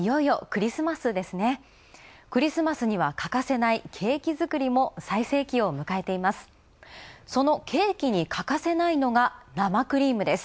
クリスマスには欠かせないケーキ作りも最盛期を迎えています。